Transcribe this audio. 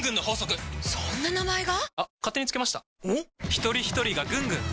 ひとりひとりがぐんぐん！